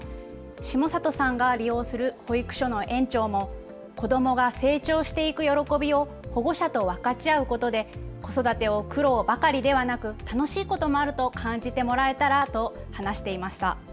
下里さんが利用する保育所の園長も子どもが成長していく喜びを保護者と分かち合うことで子育てを苦労ばかりではなく楽しいこともあると感じてもらえたらと話していました。